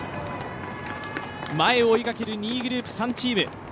前を追いかける２位グループ３チーム。